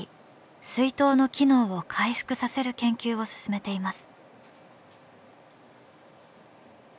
膵島の機能を回復させる研究を進めています。